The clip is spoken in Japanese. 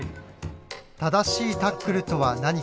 正しいタックルとは何か。